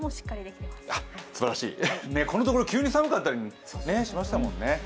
すばらしい、ここのところ急に寒かったりしましたもんね。